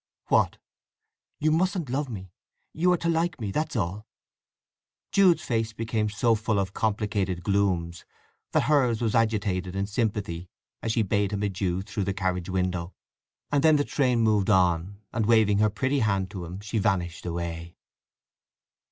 "What?" "You mustn't love me. You are to like me—that's all!" Jude's face became so full of complicated glooms that hers was agitated in sympathy as she bade him adieu through the carriage window. And then the train moved on, and waving her pretty hand to him she vanished away.